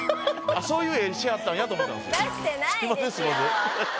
そういう絵にしはったんやと思ったんすよ。